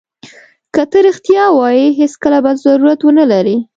که ته رښتیا ووایې هېڅکله به ضرورت ونه لرې.